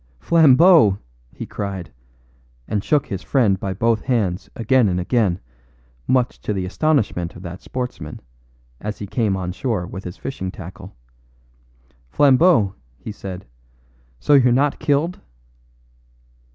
"Flambeau!" he cried, and shook his friend by both hands again and again, much to the astonishment of that sportsman, as he came on shore with his fishing tackle. "Flambeau," he said, "so you're not killed?"